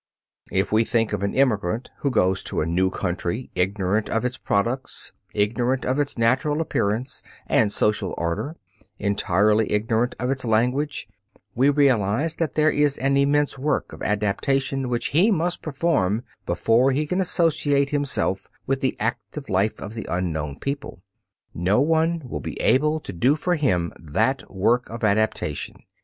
If we think of an emigrant who goes to a new country ignorant of its products, ignorant of its natural appearance and social order, entirely ignorant of its language, we realize that there is an immense work of adaptation which he must perform before he can associate himself with the active life of the unknown people. No one will be able to do for him that work of adaptation.